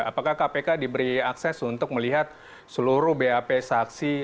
apakah kpk diberi akses untuk melihat seluruh bap saksi